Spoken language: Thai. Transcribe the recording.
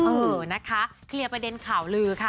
เออนะคะเคลียร์ประเด็นข่าวลือค่ะ